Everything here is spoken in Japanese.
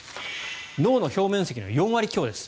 脳の表面積の４割強です。